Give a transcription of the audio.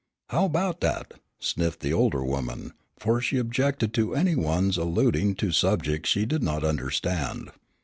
"How 'bout dat?" sniffed the older woman, for she objected to any one's alluding to subjects she did not understand.